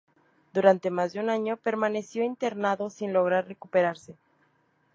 Durante más de un año permaneció internado sin lograr recuperarse.